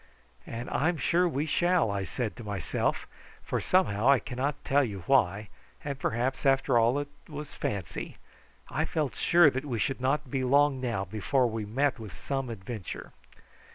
"And I'm sure we shall," I said to myself, for somehow, I cannot tell you why and perhaps after all it was fancy I felt sure that we should not be long now before we met with some adventure.